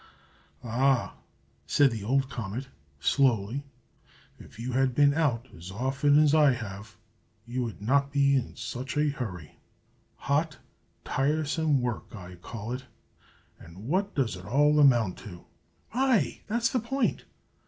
"Ah!" said the old comet, slowly, "if you had been out as often as I have, you would not be in such a hurry. Hot, tiresome work, I call it. And what does it all amount to?" "Ay, that's the point!"